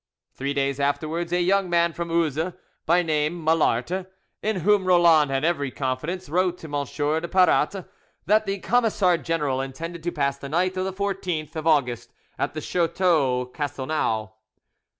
Three days afterwards, a young man from Uzes, by name Malarte, in whom Roland had every confidence, wrote to M. de Paratte that the Camisard general intended to pass the night of the 14th of August at the chateau Castelnau.